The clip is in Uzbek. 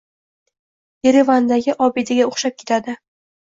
Yerevandagi obidaga o‘xshab ketadi